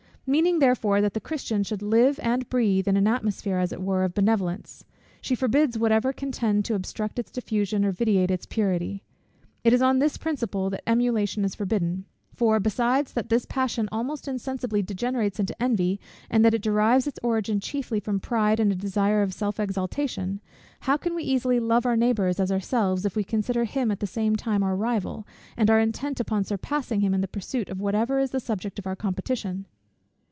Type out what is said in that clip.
Meaning therefore that the Christian should live and breathe; in an atmosphere, as it were, of benevolence, she forbids whatever can tend to obstruct its diffusion or vitiate its purity. It is on this principle that Emulation is forbidden: for, besides that this passion almost insensibly degenerates into envy, and that it derives its origin chiefly from pride and a desire of self exaltation; how can we easily love our neighbour as ourselves, if we consider him at the same time our rival, and are intent upon surpassing him in the pursuit of whatever is the subject of our competition?